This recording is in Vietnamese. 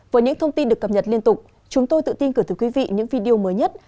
với những thông tin được cập nhật liên tục chúng tôi tự tin cử tới quý vị những video mới nhất